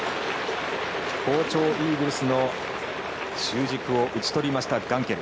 好調、イーグルスの中軸を打ち取りました、ガンケル。